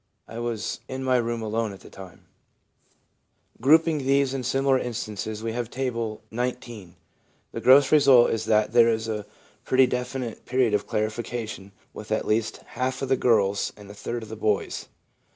I was in my room alone at the time/ Grouping these and similar instances, we have Table XIX. The gross result is that there is a pretty definite period of clarification with at least half of the girls and a third of the boys.